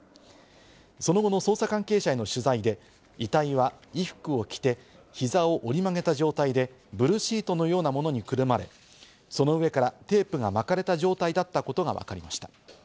その後の捜査関係者への取材で、遺体は衣服を着て膝を折り曲げた状態で、ブルーシートのようなものにくるまれ、その上からテープが巻かれた状態だったことがわかりました。